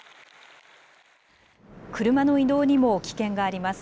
車の移動にも危険があります。